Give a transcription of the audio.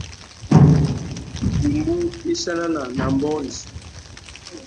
Pumbú i chanana nà ambōh rissú.